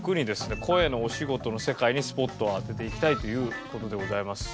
声のお仕事の世界にスポットを当てていきたいという事でございます。